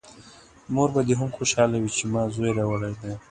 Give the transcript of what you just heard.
مور به دې هم خوشحاله وي چې ما زوی راوړی دی!